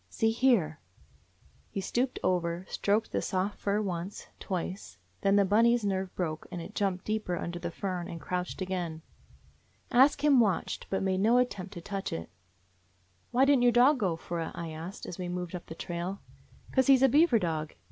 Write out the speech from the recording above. See here !" He stooped over, stroked the soft fur, once, twice — then Bunny's nerve broke, and it jumped deeper under the fern and crouched again. Ask Him watched, but made no at tempt to touch it. "Why didn't your dog go for it?" I asked as we moved on up the trail. " 'Cause he 's a beaver dog.